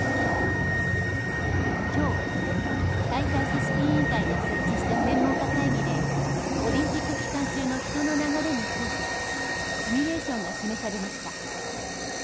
今日、大会組織委員会が設置した専門家会議でオリンピック期間中の人の流れについてシミュレーションが示されました。